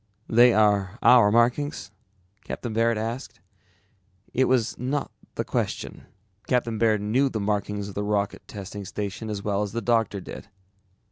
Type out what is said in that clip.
"They are our markings?" Captain Baird asked. It was not the question. Captain Baird knew the markings of the Rocket Testing Station as well as the doctor did.